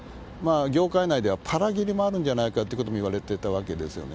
業界内ではパラ切りもあるんじゃないかといわれてたわけですよね。